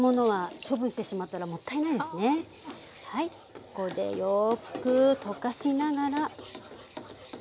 ここでよく溶かしながら。